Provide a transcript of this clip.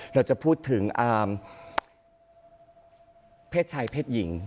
เราจะพูดถึงอามเพศชายเพศหญิง